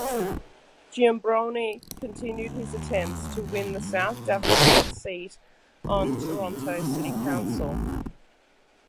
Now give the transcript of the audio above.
Giambrone continued his attempts to win the south Davenport seat on Toronto city council.